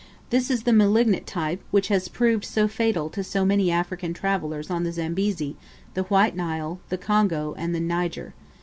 This is the malignant type, which has proved fatal to so many African travellers on the Zambezi, the White Nile, the Congo, and the Niger.